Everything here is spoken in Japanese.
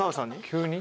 急に？